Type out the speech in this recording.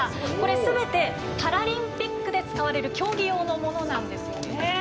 すべてパラリンピックで使われる競技用のものなんです。